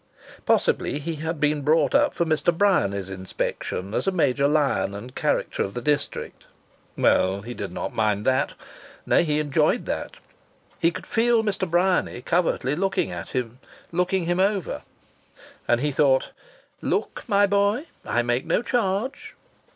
Possibly he had been brought up for Mr. Bryany's inspection as a major lion and character of the district. Well, he did not mind that; nay, he enjoyed that. He could feel Mr. Bryany covertly looking him over. And he thought: "Look, my boy! I make no charge."